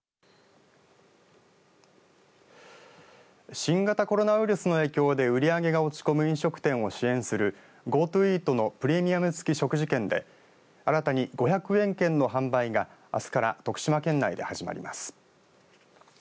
新型コロナウイルスの影響で売り上げが落ち込む飲食店を支援するＧｏＴｏイートのプレミアム付き食事券で新たに５００円券の販売があすから徳島県内で始まります。